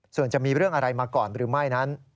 ส่วนจะมีเรื่องอะไรมาก่อนหรือไม่นั้น